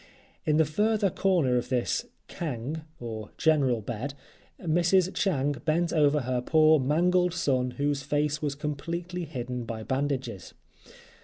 In the further corner of this "kang" or general bed, Mrs. Cheng bent over her poor mangled son, whose face was completely hidden by bandages.